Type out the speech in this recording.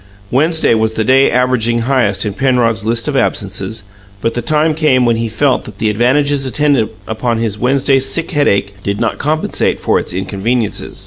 Wednesday was the day averaging highest in Penrod's list of absences; but the time came when he felt that the advantages attendant upon his Wednesday "sick headache" did not compensate for its inconveniences.